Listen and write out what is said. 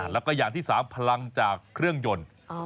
แล้วก็อย่างที่๓พลังจากเครื่องยนต์